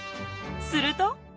すると。